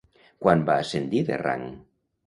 Quan va ascendir de rang?